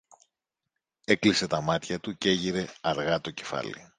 Έκλεισε τα μάτια του κι έγειρε αργά το κεφάλι.